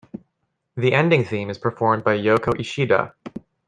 The ending theme is performed by Yoko Ishida.